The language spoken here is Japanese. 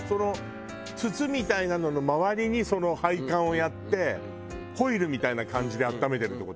筒みたいなのの周りにその配管をやってコイルみたいな感じで温めてるって事？